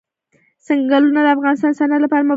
ځنګلونه د افغانستان د صنعت لپاره مواد برابروي.